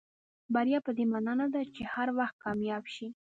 بریا پدې معنا نه ده چې هر وخت کامیاب شئ.